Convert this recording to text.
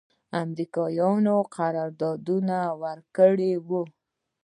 امریکایانو قرارداد ورکړی و.